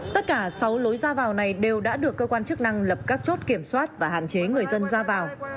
tất cả sáu lối ra vào này đều đã được cơ quan chức năng lập các chốt kiểm soát và hạn chế người dân ra vào